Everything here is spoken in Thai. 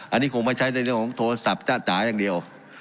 อันนี้คงไม่ใช่ในเรื่องของโทรศัพท์จ้าจ๋าอย่างเดียว